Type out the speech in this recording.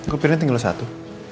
kok pirena tinggal satu